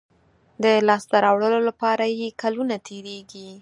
د لاسته راوړلو لپاره یې کلونه تېرېږي.